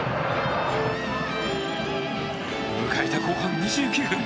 迎えた後半２９分